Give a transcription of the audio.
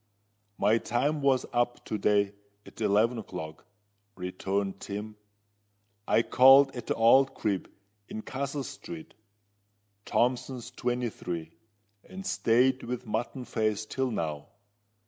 "My time was up to day at eleven o'clock," returned Tim. "I called at the old crib in Castle Street—Thompson's, twenty three, and stayed with Mutton Face till now.